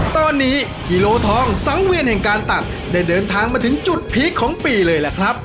ตอนนี้กิโลทองสังเวียนแห่งการตักได้เดินทางมาถึงจุดพีคของปีเลยล่ะครับ